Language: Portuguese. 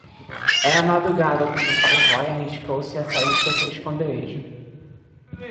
Era madrugada quando Rói-Rói arriscou-se a sair do seu esconderijo.